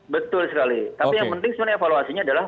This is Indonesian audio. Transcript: betul sekali tapi yang penting sebenarnya evaluasinya adalah